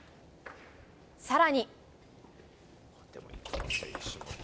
さらに。